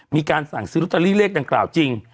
มีการสั่งซื้อลอตเตอรี่เลขดังกล่าวจริง